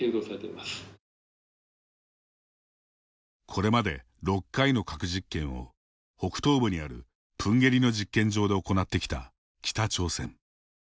これまで６回の核実験を北東部にあるプンゲリの実験場で行ってきた北朝鮮。